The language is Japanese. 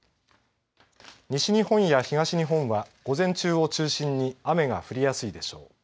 西日本や東日本は午前中を中心に雨が降りやすいでしょう。